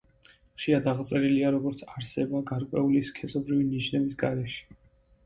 ხშირად აღწერილია, როგორც არსება გარკვეული სქესობრივი ნიშნების გარეშე.